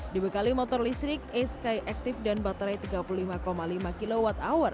dibekali motor listrik e sky active dan baterai tiga puluh lima lima kwh